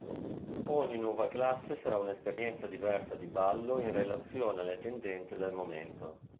Ogni nuova classe sarà un'esperienza diversa di ballo in relazione alle tendenze del momento.